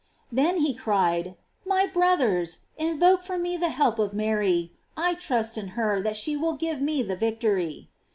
Then ho cried: ' 'My brothers, invoke for me the help of Mary; I trust in her that she will give me the victory."